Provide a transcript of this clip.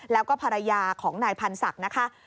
แล้วก็ภรรยาของนายพันธ์ศักดิ์นะคะ